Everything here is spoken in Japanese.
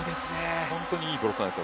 本当にいいブロックです